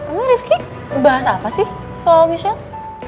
emang rifqi bahas apa sih soal michelle